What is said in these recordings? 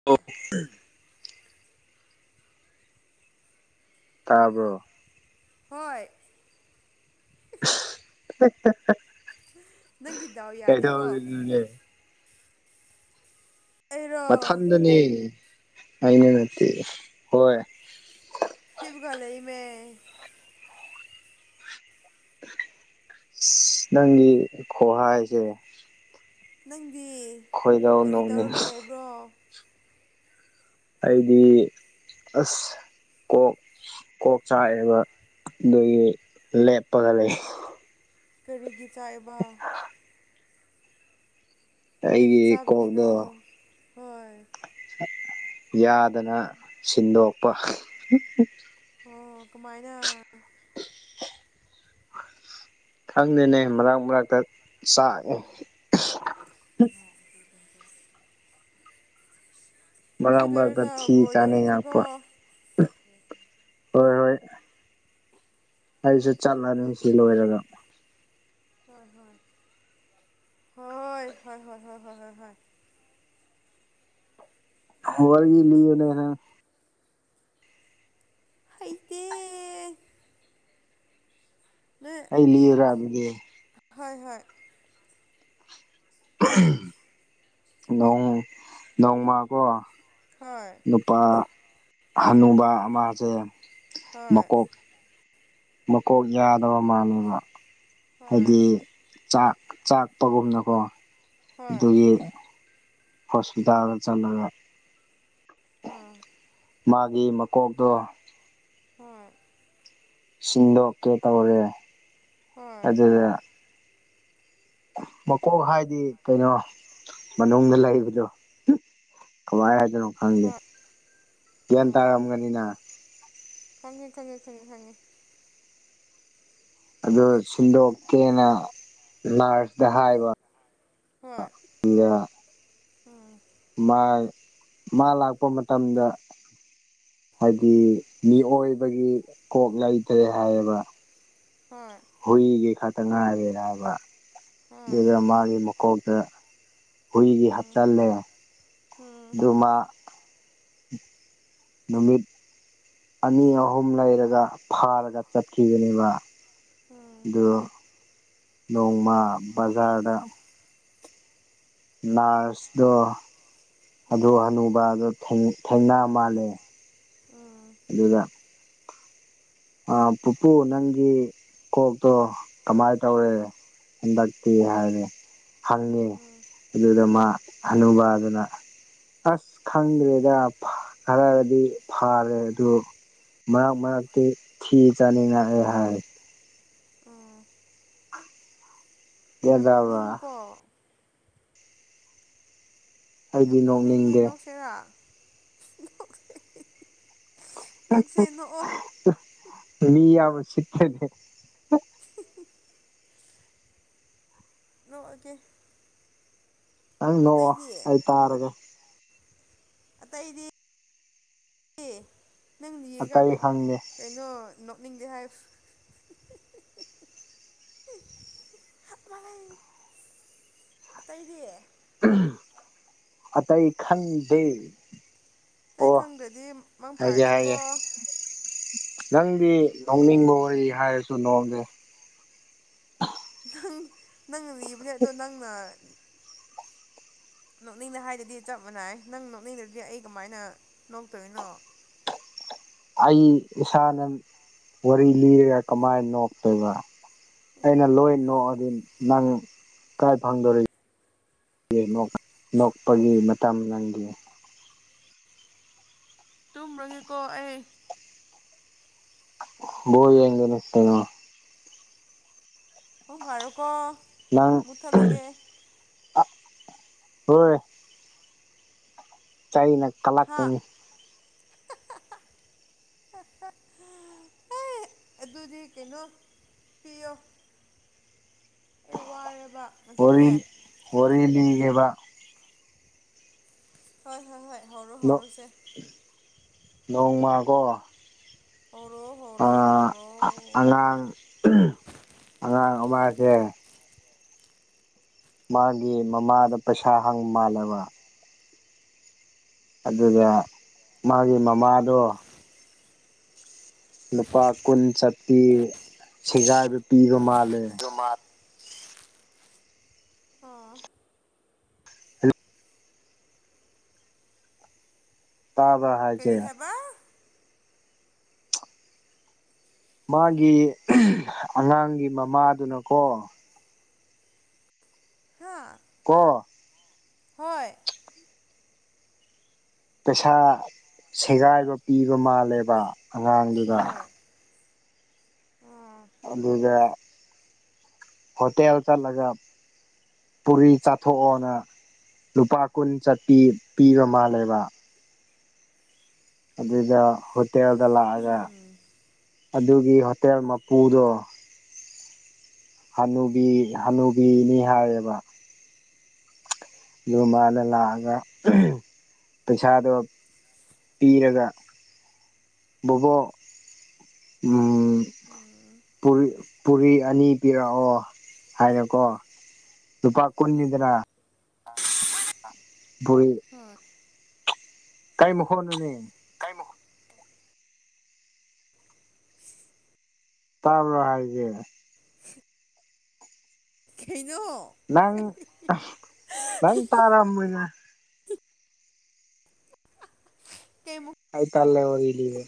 [unintelligible] ꯇꯥꯕ꯭ꯔꯣ꯫ ꯍꯣꯏ꯫ [unintelligible] ꯅꯪꯒꯤ ꯗꯥꯎ ꯌꯥꯗꯦꯀꯣ ꯀꯩꯗꯧꯔꯤꯅꯣꯅꯦ꯫ ꯑꯩꯔꯣ ꯃꯊꯟꯗꯅꯦ ꯑꯩꯅ ꯅꯠꯇꯦ ꯍꯣꯏ꯫ ꯍꯤꯞꯄꯒ ꯂꯩꯃꯦ ꯁ ꯅꯪꯒꯤ ꯈꯣꯍꯥꯏꯁꯦ ꯅꯪꯗꯤ ꯈꯣꯏꯗꯧ ꯀꯔꯤ ꯅꯣꯛꯅꯤꯡ ꯇꯧꯔꯒ ꯂꯩꯕ꯭ꯔꯣ ꯑꯩꯗꯤ ꯑꯁ ꯀꯣꯛ ꯀꯣꯛ ꯆꯥꯛꯑꯦꯕ ꯑꯗꯨꯒꯤ ꯂꯦꯞꯄꯒ ꯂꯩ ꯀꯔꯤꯒꯤ ꯆꯥꯛꯏꯕ ꯀꯔꯤ ꯑꯩꯒꯤ ꯀꯣꯛꯗꯣ ꯆꯥꯕꯒꯤꯅꯣ ꯍꯣꯏ ꯌꯥꯗꯅ ꯁꯤꯟꯗꯣꯛꯄ ꯑꯣ ꯀꯃꯥꯏꯅ ꯈꯪꯗꯦꯅꯦ ꯃꯔꯛ ꯃꯔꯛꯇ ꯆꯥꯛꯑꯦ [unintelligible] ꯃꯔꯛ ꯁꯤꯗꯔꯣ ꯃꯔꯛꯇ ꯖꯥ ꯊꯤ ꯕꯣꯜ ꯌꯦꯡꯁꯤꯀꯣ ꯆꯥꯅꯤꯡꯉꯛꯄ ꯍꯣꯏ ꯍꯣꯏ ꯑꯩꯁꯨ ꯆꯠꯂꯅꯤ ꯁꯤ ꯂꯣꯏꯔꯒ ꯍꯣꯏ ꯍꯣꯏ ꯍꯣꯏ ꯍꯣꯏ ꯍꯣꯏ ꯍꯣꯏ ꯍꯣꯏ ꯍꯣꯏ ꯍꯣꯏ ꯋꯥꯔꯤ ꯂꯤꯕꯅꯤ ꯍꯥꯏ ꯍꯩꯇꯦ ꯅꯣꯏ ꯑꯩ ꯂꯤꯌꯨꯔꯥ ꯑꯗꯨꯗꯤ ꯍꯣꯏ ꯍꯣꯏ ꯅꯣꯡ ꯅꯣꯡꯃꯀꯣ ꯍꯣꯏ ꯅꯨꯄꯥ ꯍꯅꯨꯕ ꯑꯃꯁꯦ ꯍꯣꯏ ꯃꯀꯣꯛ ꯃꯀꯣꯛ ꯌꯥꯗꯕ ꯃꯥꯜꯂꯦꯕ ꯍꯣꯏ ꯍꯥꯏꯗꯤ ꯆꯥꯛ ꯆꯥꯛꯄꯒꯨꯝꯅꯀꯣ ꯍꯣꯏ ꯑꯗꯨꯒꯤ ꯍꯣꯁꯄꯤꯇꯥꯜꯗ ꯆꯠꯂꯒ ꯎꯝ ꯃꯥꯒꯤ ꯃꯀꯣꯛꯇꯣ ꯍꯣꯏ ꯁꯤꯟꯗꯣꯛꯀꯦ ꯇꯧꯔꯦ ꯍꯣꯏ ꯑꯗꯨꯗ ꯃꯀꯣꯛ ꯍꯥꯏꯗꯤ ꯀꯩꯅꯣ ꯃꯅꯨꯡꯗ ꯂꯩꯕꯗꯣ ꯀꯃꯥꯏ ꯍꯥꯏꯗꯣꯏꯅꯣ ꯈꯪꯗꯦ ꯍꯣꯏ ꯒ꯭ꯌꯥꯟ ꯍꯣꯏ ꯇꯥꯔꯝꯒꯅꯤꯅ ꯈꯪꯉꯦ ꯈꯪꯉꯦ ꯈꯪꯉꯦ ꯈꯪꯉꯦ ꯑꯗꯨ ꯁꯤꯟꯗꯣꯛꯀꯦꯅ ꯅꯔꯁꯇ ꯍꯥꯏꯕ ꯍꯣꯏ ꯌꯥ ꯎꯝ ꯃꯥꯏ ꯃꯥ ꯂꯥꯛꯄ ꯃꯇꯝꯗ ꯍꯥꯏꯗꯤ ꯃꯤꯑꯣꯏꯕꯒꯤ ꯀꯣꯛ ꯂꯩꯇ꯭ꯔꯦ ꯍꯥꯏꯌꯦꯕ ꯍꯣꯏ ꯍꯨꯏꯒꯤ ꯈꯛꯇ ꯉꯥꯏꯔꯦꯅ ꯍꯥꯏꯕ ꯍꯣꯏ ꯑꯗꯨꯗ ꯃꯥꯒꯤ ꯃꯀꯣꯛꯇ ꯍꯨꯏꯒꯤ ꯎꯝ ꯍꯥꯞꯆꯜꯂꯦ ꯎꯝ ꯑꯗꯨ ꯃꯥ ꯅꯨꯃꯤꯠ ꯑꯅꯤ ꯑꯍꯨꯝ ꯂꯩꯔꯒ ꯐꯥꯔꯒ ꯆꯠꯈꯤꯕꯅꯦꯕ ꯎꯝ ꯎꯝ ꯑꯗꯨ ꯅꯣꯡꯃ ꯕꯖꯥꯔꯗ ꯅꯔꯁꯇꯣ ꯑꯗꯨꯨ ꯍꯅꯨꯕꯗꯣ ꯊꯦꯡ ꯊꯦꯡꯅ ꯃꯥꯜꯂꯦ ꯑꯗꯨꯗ ꯑ ꯄꯨꯄꯨ ꯅꯪꯒꯤ ꯀꯣꯛꯇꯣ ꯀꯃꯥꯏ ꯇꯧꯔꯦ ꯍꯟꯗꯛꯇꯤ ꯍꯥꯏꯔꯦ ꯍꯪꯉꯦ ꯎꯝ ꯎꯝ ꯑꯗꯨꯗ ꯃꯥ ꯎꯝ ꯍꯅꯨꯕꯥ ꯑꯗꯨꯅ ꯑꯁ ꯈꯪꯗ꯭ꯔꯦꯗ ꯈꯔꯗꯤ ꯐꯔꯦ ꯑꯗꯨ ꯃꯔꯛ ꯃꯔꯛꯇꯤ ꯊꯤ ꯆꯥꯅꯤꯡꯉꯑꯦ ꯍꯥꯏ ꯎꯝ ꯒ꯭ꯌꯥꯟ ꯌꯥꯝ ꯇꯥꯕ꯭ꯔꯥ ꯅꯣꯛꯅꯤꯡꯉꯤꯀꯣ ꯑꯩꯗꯤ ꯌꯥꯝ ꯅꯣꯛꯅꯤꯡꯉꯦ ꯅꯣꯛꯅꯤꯡꯗꯦ ꯅꯣꯛꯁꯤꯔꯥ ꯅꯛꯁꯦ ꯅꯣꯛꯑꯣ [unintelligible] ꯃꯤ ꯌꯥꯝ ꯎꯁꯤꯠꯇ꯭ꯔꯗꯤ ꯅꯣꯛꯑꯒꯦ ꯅꯪ ꯅꯣꯛꯑꯣ ꯑꯇꯩꯗꯤ ꯑꯩ ꯇꯥꯔꯒꯦ ꯑꯇꯩꯗꯤ ꯑꯦ ꯅꯪ ꯅꯤꯔꯒ ꯑꯇꯩ ꯀꯩ ꯈꯪꯗꯦ ꯀꯩꯅꯣ ꯅꯣꯛꯅꯤꯡꯗꯦ ꯍꯥꯏ [unintelligible] [unintelligible] ꯑꯇꯩꯗꯤ ꯎꯍꯨꯝ ꯑꯇꯩ ꯈꯪꯗꯦ ꯑꯇꯩ ꯑꯣ ꯈꯪꯗ꯭ꯔꯗꯤ ꯃꯪ ꯍꯥꯏꯒꯦ ꯐꯥꯔꯁꯦꯀꯣ ꯍꯥꯏꯒꯦ ꯅꯪꯗꯤ ꯅꯣꯛꯅꯤꯡꯕ ꯋꯥꯔꯤ ꯍꯥꯏꯔꯁꯨ ꯅꯣꯛꯗꯦ ꯅꯪ ꯅꯪꯅ ꯂꯤꯕꯅꯦ ꯑꯗꯣ ꯅꯪꯅ ꯅꯣꯛꯅꯤꯡꯅ ꯍꯥꯏꯗꯗꯤ ꯆꯞ ꯃꯥꯅꯥꯏ ꯅꯪ ꯅꯣꯛꯅꯤꯡꯗ꯭ꯔꯗꯤ ꯑꯩ ꯀꯃꯥꯏꯅ ꯅꯣꯛꯇꯣꯏꯅꯣ ꯑꯩ ꯏꯁꯥꯅꯟ ꯋꯥꯔꯤ ꯂꯤꯔꯒ ꯀꯃꯥꯏ ꯅꯣꯛꯇꯣꯏꯕ ꯑꯩꯅ ꯂꯣꯏ ꯅꯣꯛꯑꯗꯤꯟ ꯅꯪ ꯀꯥꯏ ꯐꯪꯗꯧꯔꯤ ꯒꯦ ꯅꯣꯛ ꯅꯣꯛꯄꯒꯤ ꯃꯇꯝ ꯅꯪꯒꯤ ꯇꯨꯝꯔꯒꯦꯀꯣ ꯑꯩ ꯕꯣꯜ ꯌꯦꯡꯗꯣꯏꯅꯦ ꯀꯩꯅꯣ ꯄꯨꯡ ꯐꯔꯣ ꯀꯣ ꯅꯪ ꯑꯥ ꯍꯣꯏ ꯆꯩꯅꯛ ꯍꯥꯥ [unintelligible] ꯑꯦ ꯑꯗꯨꯗꯤ ꯀꯩꯅꯣ ꯄꯤꯌꯣ ꯑꯩ ꯋꯥꯔꯦꯕ ꯋꯔꯤ ꯉꯁꯤꯁꯦ ꯋꯥꯔꯤ ꯂꯤꯒꯦꯕ ꯍꯣꯏ ꯍꯣꯏ ꯍꯣꯏ ꯍꯧꯔꯣ ꯅꯣꯛ ꯍꯧꯔꯣꯁꯦ ꯅꯣꯡꯃꯒꯣ ꯍꯧꯔꯣ ꯍꯣꯠ ꯑꯥ ꯑꯉꯥꯡ ꯑꯉꯥꯡ ꯑꯃꯥꯁꯦ ꯃꯥꯒꯤ ꯃꯃꯥꯗ ꯄꯩꯁꯥ ꯍꯪ ꯃꯥꯜꯂꯦꯕ ꯑꯗꯨꯒ ꯃꯥꯒꯤ ꯍꯣꯏ ꯃꯃꯥꯗꯣ ꯂꯨꯄꯥ ꯀꯨꯟ ꯆꯠꯄꯤ ꯁꯦꯒꯥꯏꯕ ꯄꯤꯕ ꯃꯥꯜꯂꯦ [unintelligible] ꯑꯣ ꯇꯥꯕ꯭ꯔꯥ ꯀꯔꯤ ꯍꯥꯏꯆꯦ ꯍꯥꯏꯕ ꯃꯥꯒꯤ ꯑꯉꯥꯡꯒꯤ ꯃꯃꯥꯗꯨꯅꯀꯣ ꯍꯥꯥ ꯀꯣ ꯍꯣꯏ ꯄꯩꯁꯥ ꯁꯦꯒꯥꯏꯕ ꯄꯤꯕ ꯃꯥꯜꯂꯦꯕ ꯑꯉꯥꯡꯗꯨꯗ ꯍꯣꯏ ꯑꯣ ꯑꯗꯨꯒ ꯍꯣꯇꯦꯜ ꯆꯠꯂꯒ ꯄꯨꯔꯤ ꯆꯥꯊꯣꯛꯑꯣꯅ ꯂꯨꯄꯥ ꯀꯨꯟ ꯆꯠꯄꯤ ꯄꯤꯕ ꯃꯥꯜꯂꯦꯕ ꯑꯗꯨꯗ ꯍꯣꯇꯦꯜꯗ ꯂꯥꯛꯑꯒ ꯎꯝ ꯑꯗꯨꯒꯤ ꯍꯣꯇꯦꯜ ꯃꯄꯨꯗꯣ ꯍꯅꯨꯕꯤ ꯍꯅꯨꯕꯤꯅꯤ ꯍꯥꯏꯌꯦꯕ ꯗꯨ ꯃꯅꯥ ꯂꯥꯛꯑꯒ ꯄꯩꯁꯥꯗꯣ ꯄꯤꯔꯒ ꯕꯣꯕꯣꯛ ꯎꯝ ꯎꯝ ꯄꯨꯔꯤ ꯄꯨꯔꯤ ꯑꯅꯤ ꯄꯤꯔꯛꯑꯣ ꯍꯥꯏꯔꯦꯀꯣ ꯂꯨꯄꯥ ꯀꯨꯟꯅꯤꯗꯅ [inaudible] ꯕꯨꯔꯤ ꯍꯣꯏ ꯀꯩ ꯃꯈꯣꯟꯅꯣꯅꯦ ꯀꯩ ꯃꯈꯣ [inaudible] ꯇꯥꯕ꯭ꯔꯥ ꯍꯥꯏꯖꯦ [inaudible] ꯀꯩꯅꯣ ꯅꯪ ꯑꯁ ꯅꯪ ꯇꯥꯔꯝꯅꯤꯅ ꯀꯦꯃꯨꯛ ꯑꯩꯪ ꯇꯜꯂꯕ ꯃꯤꯅꯤꯅꯦ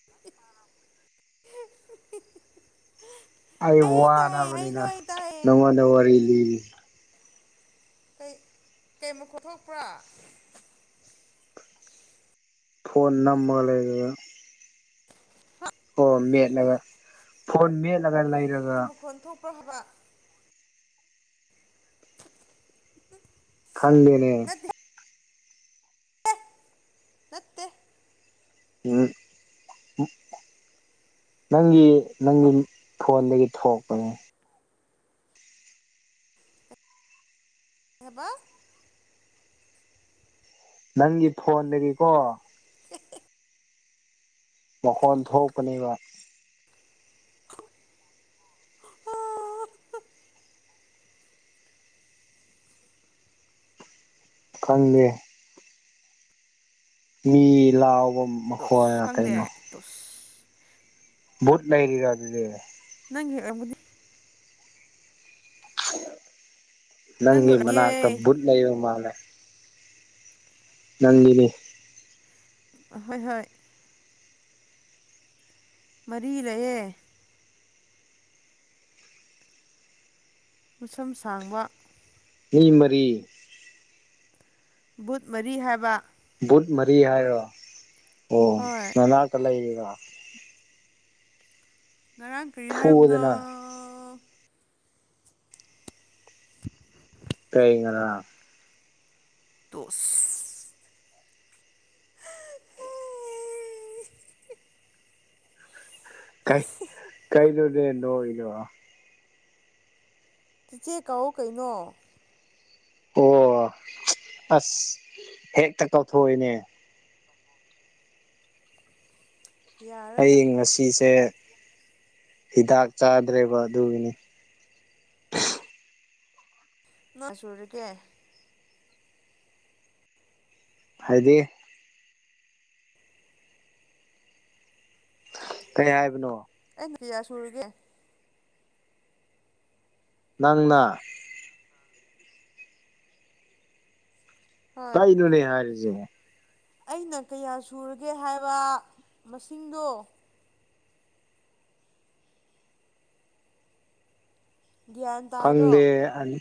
[inaudible] ꯑꯩ ꯇꯥꯏꯌꯦ ꯑꯩ ꯋꯥꯅꯕꯅꯤꯗ ꯂꯣꯏ ꯇꯥꯏꯌꯦ ꯅꯉꯣꯟꯗ ꯋꯥꯔꯤ ꯂꯤꯔꯤ ꯀꯩ ꯀꯩ ꯃꯈꫭꯟ ꯊꫭꯛꯄ꯭ꯔꯥ ꯐꯣꯟ ꯅꯝꯃ ꯂꯩꯔꯨꯔꯅꯨ ꯑꯥ ꯐꯣꯟ ꯃꯦꯠꯂꯒ ꯐꯣꯟ ꯃꯦꯠꯂꯒ ꯂꯩꯔꯥ ꯀꯣꯟ ꯃꯈꫭꯟ ꯊꯣꯛꯄ꯭ꯔꯥ ꯍꯥꯏꯕ꯭ꯔꯥ ꯈꯪꯗꯦꯅꯦ ꯅꯠꯇꯦ ꯅꯠꯇꯦ ꯎꯝ ꯎꯝ ꯅꯪꯒꯤ ꯅꯪꯒꯤ ꯐꯣꯟꯗꯒꯤ ꯊꯣꯛꯄꯅꯦ ꯀꯩ ꯍꯥꯏꯕ ꯅꯪꯒꯤ ꯐꯣꯟꯗꯒꯤꯀꯣ ꯃꯈꯣꯟ ꯊꯣꯛꯄꯅꯦꯕ ꯈꯪꯉꯦ ꯃꯤ ꯂꯥꯎꯕꯝ ꯗꫭ ꯎꯁ ꯈꯪꯗꯦ ꯇꯣꯑꯁ ꯕꯨꯠ ꯂꯩꯔꯤꯔ ꯑꯗꯨꯗꯤ ꯅꯪꯒꯤ ꯑꯣꯏꯕꯨꯗꯤ ꯅꯪꯒꯤ ꯃꯅꯥꯛꯇ ꯕꯨꯠ ꯂꯩꯔ ꯃꯥꯜꯂꯦ ꯅꯪꯒꯤꯅꯤ ꯍꯣꯏ ꯍꯣꯏ ꯃꯔꯤ ꯂꯩꯌꯦ꯫ ꯃꯁꯝ ꯁꯥꯡꯕ ꯃꯤ ꯃꯔꯤ ꯕꯨꯠ ꯃꯔꯤ ꯍꯥꯏꯕ ꯕꯨꯠ ꯃꯔꯤ ꯍꯥꯏꯔꯣ ꯑꯣ ꯍꯣꯏ ꯅꯅꯥꯛꯇ ꯂꯩꯔꯤꯔꯣ꯫ ꯉꯔꯥꯡ ꯀꯔꯤ ꯍꯥꯏꯕꯅꯣ꯫ ꯐꯨꯗꯅ ꯀꯔꯤ ꯉꯥꯔꯥꯡ ꯇꯣꯁ ꯀꯩ ꯀꯩꯅꯣꯅꯦ ꯅꯣꯗꯣ ꯆꯤꯆꯦ ꯀꯧꯋꯣ ꯀꯩꯅꯣ꯫ ꯑꯣ ꯑꯁ ꯍꯦꯛꯇ ꯇꯧꯊꯣꯛꯢꯅꯦ꯫ ꯌꯥꯔꯣꯏ ꯑꯩ ꯅꯪ ꯉꯁꯤꯁꯦ ꯍꯤꯗꯥꯛ ꯆꯥꯗ꯭ꯔꯦꯕ ꯑꯗꯨꯒꯤꯅꯤ꯫ ꯅꯣꯏ ꯁꯨꯔꯒꯦ ꯍꯥꯏꯗꯤ ꯀꯩ ꯍꯥꯏꯕꯅꯣ? ꯑꯩꯅ ꯀꯌꯥ ꯁꯨꯔꯥꯒꯦ꯫ ꯅꯪꯅ ꯍꯣꯏ ꯀꯩꯅꯣꯅꯦ ꯍꯥꯏꯔꯤꯁꯦ ꯑꯩꯅ ꯀꯌꯥ ꯁꯨꯔꯒꯦ ꯍꯥꯏꯕ ꯃꯁꯤꯡꯗꯣ꯫ ꯒ꯭ꯌꯥꯟ ꯇꯥꯗ꯭ꯔꯣ ꯐꯪꯗꯦ ꯑꯩ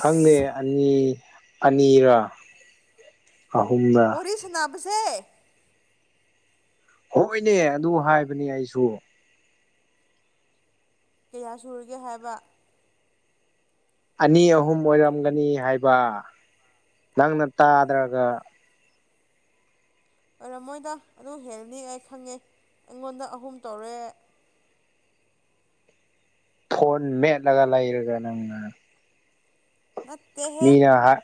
ꯈꯪꯗꯦ ꯑꯅꯤ ꯑꯅꯤꯔ ꯑꯍꯨꯝꯔ꯫ ꯋꯥꯔꯤ ꯁꯥꯟꯅꯕꯁꯦ ꯍꯣꯏꯅꯦ ꯑꯗꯨ ꯍꯥꯏꯕꯅꯦ ꯑꯩꯁꯨ꯫ ꯀꯥꯌ ꯁꯨꯔꯒꯦ ꯍꯥꯏꯕ꯫ ꯑꯅꯤ ꯑꯍꯨꯝ ꯑꯣꯏꯔꯝꯒꯅꯤ ꯍꯥꯏꯕ ꯅꯪꯅ ꯇꯥꯗ꯭ꯔꯒ꯫ ꯑꯣꯏꯔꯝꯃꯣꯏꯗ ꯑꯗꯨ ꯍꯦꯜꯂꯅꯤ ꯑꯩ ꯈꯪꯉꯦ ꯑꯩꯉꯣꯟꯗ ꯑꯍꯨꯝ ꯇꯧꯔꯦ ꯐꯣꯟ ꯃꯦꯠꯂꯒ ꯂꯩꯔꯒ ꯅꯪꯅ꯫ ꯅꯠꯇꯦ ꯃꯤꯅ ꯍꯥꯠ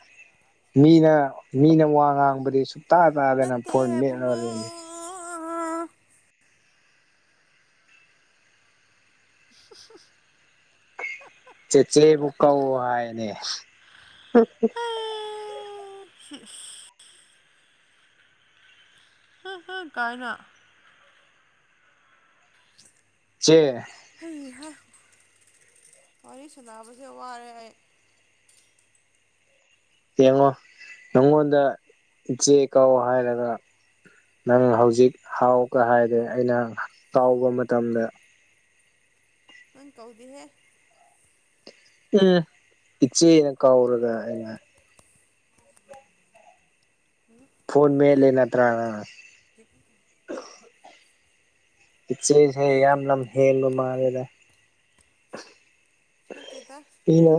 ꯃꯤꯅ ꯃꯤꯅ ꯋꯥ ꯉꯥꯡꯕꯗꯤ ꯁꯨꯛ ꯇꯥ ꯇꯥꯗꯅ ꯅꯠꯇꯦ ꯐꯣꯟ ꯃꯦꯠꯂꯒ ꯑꯕꯨꯡꯉꯣ ꯂꯩꯌꯦ꯫ [inaudible] ꯆꯦ ꯆꯦꯕꯨ ꯀꯧ ꯍꯥꯏꯕꯅꯦ꯫ ꯍꯥ ꯍꯥ ꯀꯥꯏꯅ ꯆꯦ ꯍꯩ ꯍꯥ ꯋꯥꯔꯤ ꯁꯥꯟꯅꯕꯁꯦ ꯋꯥꯔꯦ ꯑꯩ꯫ ꯌꯦꯡꯉꯣ ꯅꯪꯉꯣꯟꯗ ꯏꯆꯦ ꯀꯧ ꯍꯥꯏꯔꯒ꯫ ꯅꯪ ꯍꯧꯖꯤꯛ ꯍꯥꯎꯒ ꯍꯥꯏꯔꯦ ꯑꯩꯅ ꯀꯧꯕ ꯃꯇꯝꯗ꯫ ꯅꯪ ꯀꯧꯗꯦꯍꯦ꯫ ꯎꯝ ꯏꯆꯦꯅ ꯀꯥꯎꯔꯒ ꯑꯩꯅ꯫ ꯐꯣꯟ ꯃꯦꯠ ꯂꯩ ꯅꯠꯇ꯭ꯔ ꯅꯪ ꯍꯧꯖꯤꯛ ꯏꯆꯦꯁꯦ ꯌꯥꯝ ꯂꯝ ꯍꯦꯟꯕ ꯃꯥꯜꯂꯦꯗ꯫ ꯅꯠꯇꯦꯗ ꯃꯤꯅ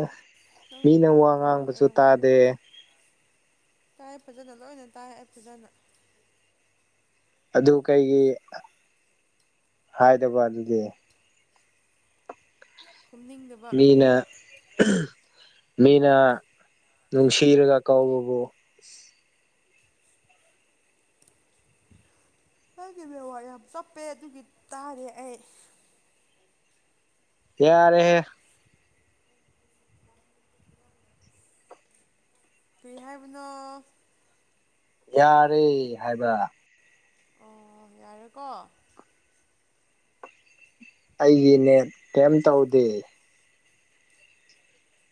ꯅꯪ ꯃꯤꯅ ꯋꯥ ꯅꯪ ꯉꯥꯡꯕꯁꯨ ꯑꯣꯏꯔꯝꯒꯅꯤ ꯇꯥꯗꯦ꯫ ꯇꯥꯏ ꯐꯖꯅ ꯂꯣꯏꯅ ꯇꯥꯏ ꯑꯩ ꯐꯖꯅ꯫ ꯑꯗꯨ ꯀꯩꯒꯤ ꯍꯥꯏꯗꯕ ꯑꯗꯨꯗꯤ ꯈꯨꯝꯅꯤꯡꯗꯕ ꯃꯤꯅ ꯃꯤꯅ ꯅꯨꯡꯁꯤꯔꯒ ꯀꯧꯕꯕꯨ ꯑꯩꯒꯤ ꯅꯦꯠꯋꯥꯛ ꯌꯥꯝ ꯆꯞꯄꯦ ꯑꯗꯨꯒꯤ ꯇꯥꯗꯦ ꯑꯩ ꯌꯥꯔꯦꯍꯦ ꯀꯩ ꯍꯥꯏꯕꯅꯣ ꯌꯥꯔꯦ ꯍꯥꯏꯕ ꯑꯣ ꯌꯥꯔꯦꯀꯣ ꯑꯩꯒꯤ ꯅꯦꯠ ꯀꯩꯝ ꯇꯧꯗꯦ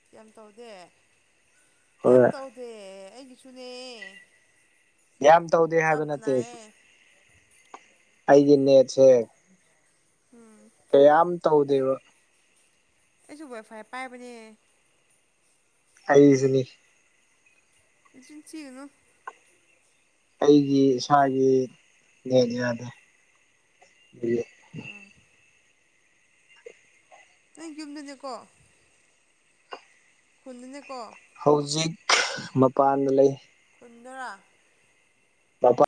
ꯀꯩꯝ ꯇꯧꯗꯦ ꯀꯩꯝ ꯍꯣꯏ ꯇꯧꯗꯦ ꯑꯩꯒꯤꯁꯨꯅꯦ ꯌꯥꯝ ꯇꯧꯗꯦ ꯍꯥꯏꯕ ꯆꯞꯄ ꯅꯠꯇꯦ ꯅꯥꯏꯌꯦ ꯑꯩꯒꯤ ꯅꯦꯠꯁꯦ ꯎꯝ ꯀꯌꯥꯝ ꯇꯧꯗꯦꯕ ꯑꯩꯁꯨ ꯋꯥꯏꯐꯥꯏ ꯄꯥꯏꯕꯅꯦ ꯑꯩꯖꯨꯅꯤ ꯅꯆꯤꯟ ꯊꯤꯒꯅꯨ ꯑꯩꯒꯤ ꯏꯁꯥꯒꯤ ꯅꯦꯠ ꯌꯥꯗꯦ ꯑꯥ ꯅꯣꯏ ꯌꯨꯝꯗꯅꯦꯀꯣ ꯈꯨꯟꯗꯅꯦꯀꯣ ꯍꯧꯖꯤꯛ ꯃꯄꯥꯟꯗ ꯂꯩ ꯈꯨꯟꯗ ꯃꯄꯥꯟ